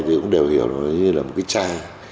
thì cũng đều hiểu như là một cái chai